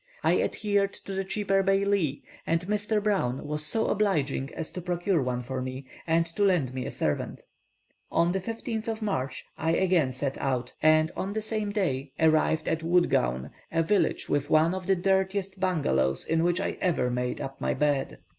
I adhered to the cheaper baili, and Mr. Brown was so obliging as to procure one for me, and to lend me a servant. On the 15th of March I again set out, and on the same day arrived at Woodgown, a village with one of the dirtiest bungalows in which I ever made up my bed.